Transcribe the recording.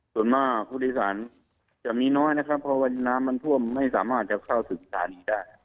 ส่วนมากผู้โดยสารจะมีน้อยนะครับเพราะว่าน้ำมันท่วมไม่สามารถจะเข้าถึงสถานีได้